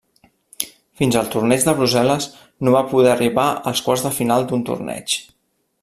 Fins al torneig de Brussel·les no va poder arribar als quarts de final d'un torneig.